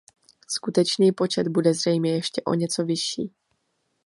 Skutečný počet bude zřejmě ještě o něco vyšší.